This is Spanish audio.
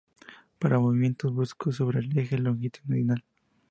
Para movimientos bruscos sobre el eje longitudinal.